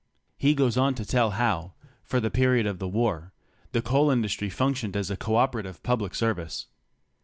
He goes on to tell how, for the period of the war, the coal industry functioned as a co operative public service.